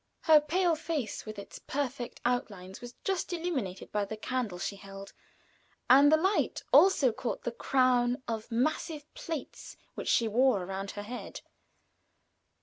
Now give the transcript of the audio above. Her pale face, with its perfect outlines, was just illumined by the candle she held, and the light also caught the crown of massive plaits which she wore around her head.